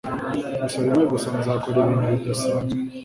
Gusa rimwe gusa, nzakora ibintu bidasanzwe.